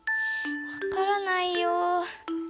分からないよ。